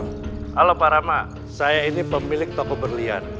halo pak rama saya ini pemilik toko berlian